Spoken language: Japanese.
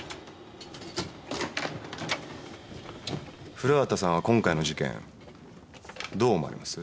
古畑さんは今回の事件どう思われます？